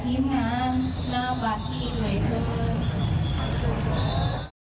หน้าบรรที่เลยครับ